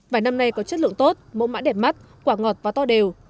vải năm nay có chất lượng tốt mẫu mã đẹp mắt quả ngọt và to đều